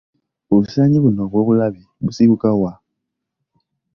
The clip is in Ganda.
Obusaanyi buno obw'obulabe busibuka wa?